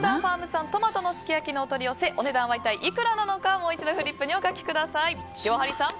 産トマトのすき焼きのお取り寄せお値段はいくらなのか、もう一度フリップにお書きください。